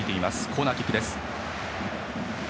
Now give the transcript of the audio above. コーナーキックです。